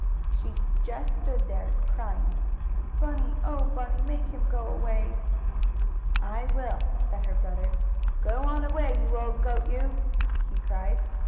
She just stood there, crying: "Bunny! Oh, Bunny! Make him go away." "I will," said her brother. "Go on away, you old goat you!" he cried.